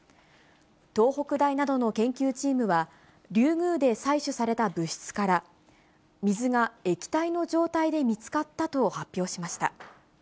東北大などの研究チームは、リュウグウで採取された物質から、水が液体の状態で見つかったと発表しました。